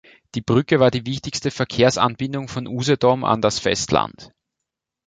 Die Brücke war die wichtigste Verkehrsanbindung von Usedom an das Festland.